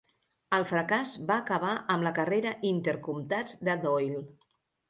El fracàs va acabar amb la carrera inter-comtats de Doyle.